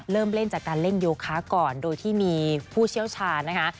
เริ่มเล่นจากการเล่นโยคะก่อนโดยที่มีผู้เชี่ยวชาญนะคะ